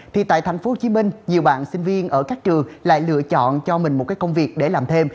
thì tại tp hcm nhiều bạn sinh viên ở các trường lại lựa chọn cho mình một cái công việc để làm thêm